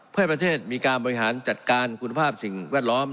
เพื่อให้ประเทศมีการบริหารจัดการคุณภาพสิ่งแวดล้อม